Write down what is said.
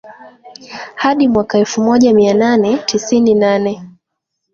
hadi mwaka elfu moja mia nane tisini nane